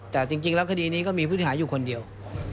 แต่จริงแล้วคดีนี้ก็มีผู้เสียหายอยู่คนเดียว